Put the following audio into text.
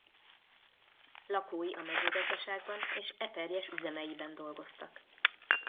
Lakói a mezőgazdaságban és Eperjes üzemeiben dolgoztak.